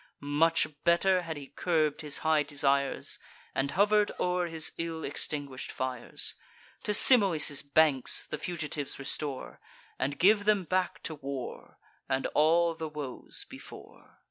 Much better had he curb'd his high desires, And hover'd o'er his ill extinguish'd fires. To Simois' banks the fugitives restore, And give them back to war, and all the woes before."